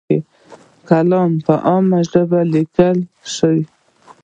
کالم په عامه ژبه لیکلی شي.